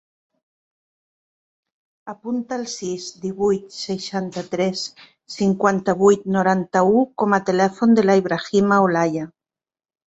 Apunta el sis, divuit, seixanta-tres, cinquanta-vuit, noranta-u com a telèfon de l'Ibrahima Olaya.